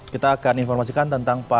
kita akan informasikan tentangnya